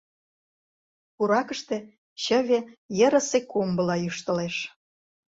Пуракыште чыве ерысе комбыла йӱштылеш.